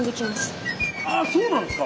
あっそうなんですか。